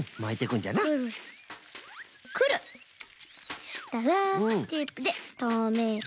そしたらテープでとめて。